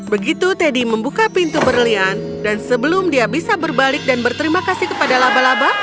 begitu teddy membuka pintu berlian dan sebelum dia bisa berbalik dan berterima kasih kepada laba laba